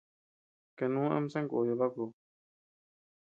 Kanú ama sankubi bakú.